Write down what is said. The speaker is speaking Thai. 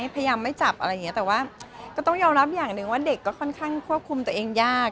พยายามไม่จับอะไรอย่างนี้แต่ว่าก็ต้องยอมรับอย่างหนึ่งว่าเด็กก็ค่อนข้างควบคุมตัวเองยาก